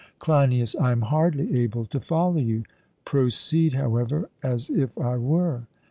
CLEINIAS: I am hardly able to follow you; proceed, however, as if I were.